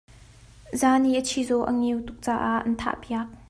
Zaan i a chizawh a ngeu tuk caah an thah piak.